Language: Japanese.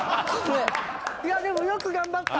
いやでもよく頑張った。